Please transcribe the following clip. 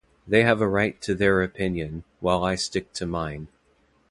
They have a right to their opinion, while I stick to mine.